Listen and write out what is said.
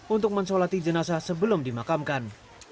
untuk mensolati jenazah sebelum dimakamkan